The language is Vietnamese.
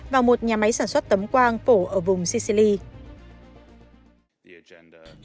vào một nhà máy sản xuất tấm quang phổ ở vùng sicili